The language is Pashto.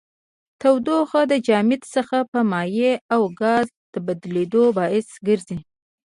تودوخه د جامد څخه په مایع او ګاز د بدلیدو باعث ګرځي.